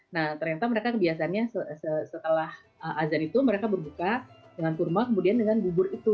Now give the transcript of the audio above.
nah ternyata mereka kebiasaannya setelah azan itu mereka berbuka dengan kurma kemudian dengan bubur itu